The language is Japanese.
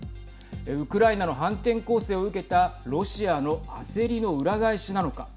ウクライナの反転攻勢を受けたロシアの焦りの裏返しなのか。